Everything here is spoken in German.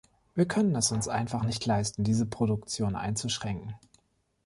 Wir können es uns einfach nicht leisten, diese Produktion einzuschränken.